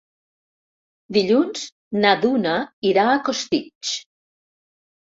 Dilluns na Duna irà a Costitx.